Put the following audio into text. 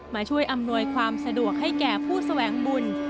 มาช่วยอำนวยความสะดวกให้แก่ผู้แสวงบุญ